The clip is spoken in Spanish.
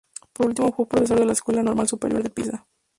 Por último, fue profesor de la Escuela Normal Superior de Pisa.